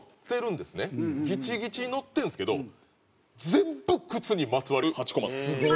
ギチギチに載ってるんですけど全部靴にまつわる８コマです。